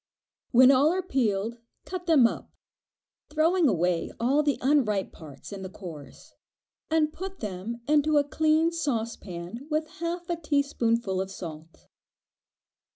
When all are peeled, cut them up, throwing away the unripe parts and the cores, and put them into a clean saucepan with half a teaspoonful of salt.